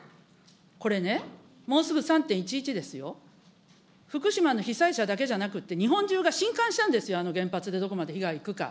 これね、もうすぐ３・１１ですよ、福島の被災者だけじゃなくて、日本中がしんかんしたんですよ、あの原発でどこまで被害いくか。